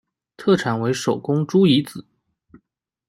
特产为手工猪胰子。